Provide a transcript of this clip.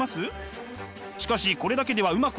しかしこれだけではうまくいきません。